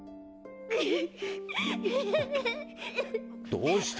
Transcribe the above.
どうした？